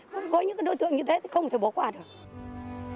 với những đối tượng như thế thì không thể bỏ qua được